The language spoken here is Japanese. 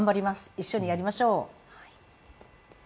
一緒にやりましょう。